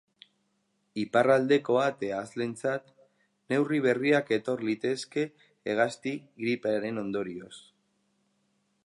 Iparraldeko ahate hazleentzat neurri berriak etor litezke hegazti gripearen ondorioz.